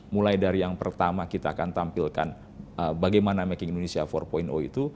mulai dari yang pertama kita akan tampilkan bagaimana making indonesia empat itu